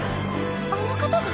あの方が？